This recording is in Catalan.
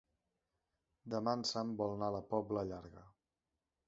Demà en Sam vol anar a la Pobla Llarga.